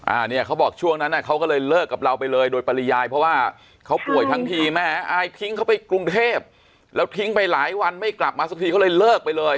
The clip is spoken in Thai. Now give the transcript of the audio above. อ่าเนี่ยเขาบอกช่วงนั้นอ่ะเขาก็เลยเลิกกับเราไปเลยโดยปริยายเพราะว่าเขาป่วยทั้งทีแม่อายทิ้งเขาไปกรุงเทพแล้วทิ้งไปหลายวันไม่กลับมาสักทีเขาเลยเลิกไปเลย